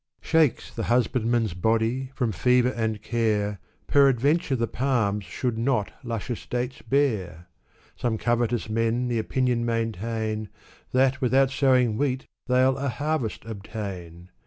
Shakes the husbandman's body, from fever and care, Peradventure the palms should not luscious dates bear. Some covetous men the opinion maintain, That, without sowing wheat, they'll a harvest obtain